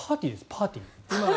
パーティー。